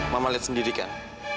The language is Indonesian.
mama lihat sendiri kan